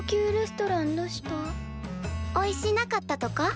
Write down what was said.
おいしなかったとか？